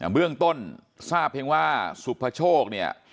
เบื้องต้นทราบเพียงว่าสุภโชคเนี่ย